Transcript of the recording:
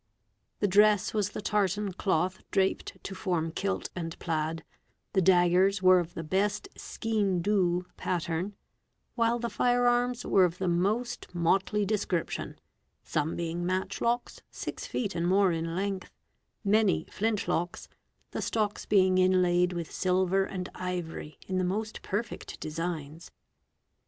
The dress a AUR EBA, STA RAINE ANT = SAR STI! ERB aN as the tartan cloth draped to form kilt and plaid, the daggers were of le best skeen dhu pattern, while the fire arms were of the most motley eription, some being matchlocks, six feet and more in length, many 52 410 WEAPONS flint locks, the stocks being inlaid with silver and ivory in the most perfect designs.